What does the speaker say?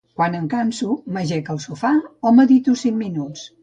Quan em canso, m'ajec al sofà o medito cinc minuts.